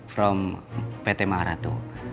from pt maharatu